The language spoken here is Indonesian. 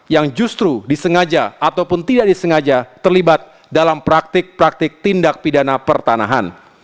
yang justru disengaja ataupun tidak disengaja terlibat dalam praktik praktik tindak pidana pertanahan